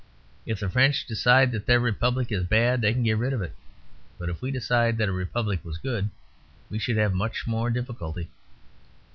If the French decide that their Republic is bad they can get rid of it; but if we decide that a Republic was good, we should have much more difficulty.